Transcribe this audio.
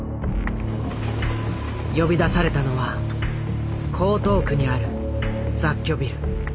呼び出されたのは江東区にある雑居ビル。